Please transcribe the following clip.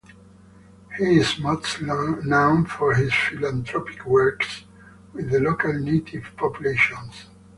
He is mostly known for his philanthropic works with the local native population.